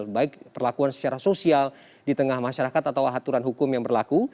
baik perlakuan secara sosial di tengah masyarakat atau aturan hukum yang berlaku